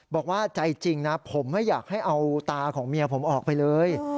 บอกว่าใจจริงนะผมไม่อยากให้เอาตาของเมียผมออกไปเลย